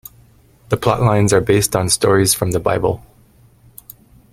The plotlines are based on stories from the Bible.